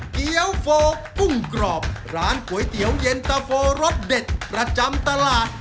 เกี้ยวโฟกุ้งกรอบร้านก๋วยเตี๋ยวเย็นตะโฟรสเด็ดประจำตลาด